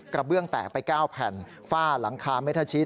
กระเบื้องแตกไปก้าวแผ่นฝ้าหลังคาไม่ทัดชิด